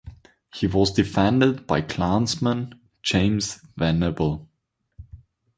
He was defended by Klansman James Venable.